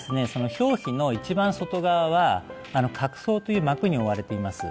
表皮の一番外側は角層という膜に覆われています